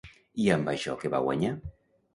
I amb això què va guanyar?